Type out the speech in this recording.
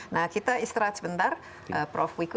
nah kita istirahat sebentar prof wiku